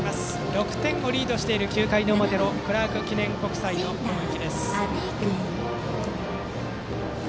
６点をリードしている９回の表のクラーク記念国際の攻撃。